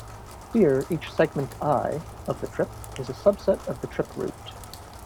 Here each segment i, of the trip is a subset of the trip route.